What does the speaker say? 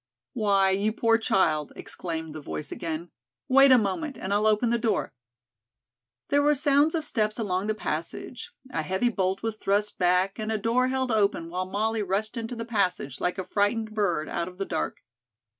"Why, you poor child," exclaimed the voice again. "Wait a moment and I'll open the door." There were sounds of steps along the passage; a heavy bolt was thrust back and a door held open while Molly rushed into the passage like a frightened bird out of the dark.